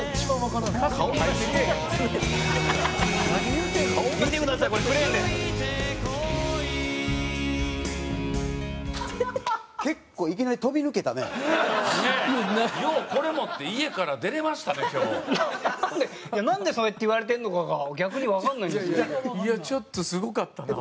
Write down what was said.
なんでいやなんでそうやって言われてるのかが逆にわかんないんですけど。